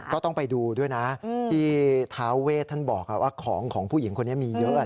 ก็ต้องไปดูด้วยนะที่ท้าเวทท่านบอกว่าของของผู้หญิงคนนี้มีเยอะ